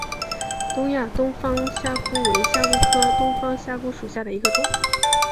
东亚东方虾蛄为虾蛄科东方虾蛄属下的一个种。